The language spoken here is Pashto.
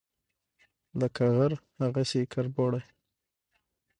لکه غر، هغسي یې کربوڼی